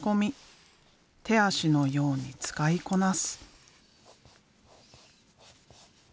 手足のように使いこなす。